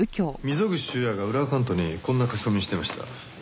溝口修也が裏アカウントにこんな書き込みをしてました。